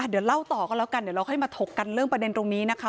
เดี๋ยวเล่าต่อกันแล้วกันเดี๋ยวเราค่อยมาถกกันเรื่องประเด็นตรงนี้นะคะ